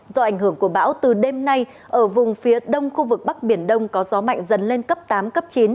do ảnh hưởng của bão từ đêm nay ở vùng phía đông khu vực bắc biển đông có gió mạnh dần lên cấp tám cấp chín